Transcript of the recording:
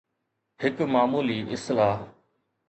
هڪ معمولي اصلاح